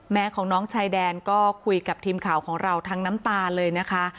แม่ของน้องชายแดนก็คุยกับทีมข่าวของเราทั้งน้ำตาเลยนะคะ